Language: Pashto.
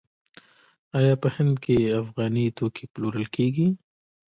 آیا په هند کې افغاني توکي پلورل کیږي؟